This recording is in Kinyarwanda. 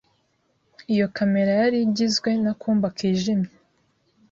Iyo kamera yari igizwe n’“akumba kijimye